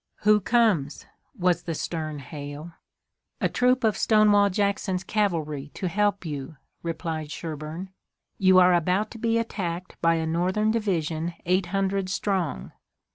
"Who comes?" was the stern hail. "A troop of Stonewall Jackson's cavalry to help you," replied Sherburne. "You are about to be attacked by a Northern division eight hundred strong."